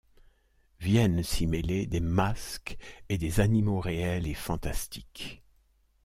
Viennent s'y mêler des masques et des animaux réels et fantastiques.